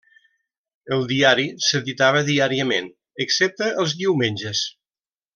El diari s'editava diàriament excepte els diumenges.